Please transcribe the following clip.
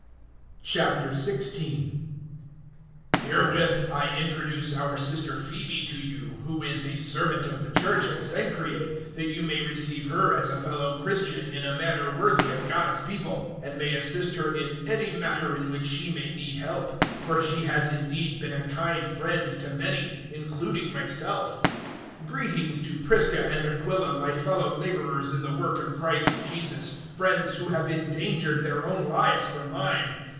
016:001 Herewith I introduce our sister Phoebe to you, who is a servant of the Church at Cenchreae, 016:002 that you may receive her as a fellow Christian in a manner worthy of God's people, and may assist her in any matter in which she may need help. For she has indeed been a kind friend to many, including myself. 016:003 Greetings to Prisca and Aquila my fellow labourers in the work of Christ Jesus 016:004 friends who have endangered their own lives for mine.